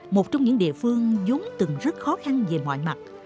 một trong những địa phương dốn từng rất khó khăn về mọi mặt